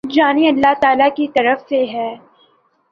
یعنی اﷲ تعالی کی طرف سے ہے۔